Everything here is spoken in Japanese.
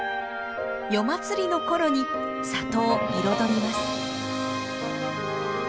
夜祭りの頃に里を彩ります。